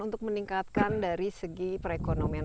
untuk meningkatkan dari segi perekonomian